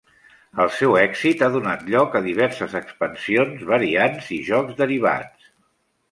El seu èxit ha donat lloc a diverses expansions, variants i jocs derivats.